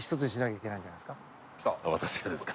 私がですか？